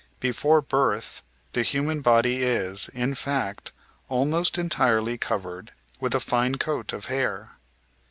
Before birth the human body is, in fact, almost entirely covered with a fine coat of hair.